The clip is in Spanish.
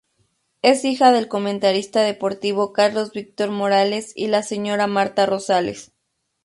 Es hija del comentarista deportivo Carlos Víctor Morales y la señora Martha Rosales.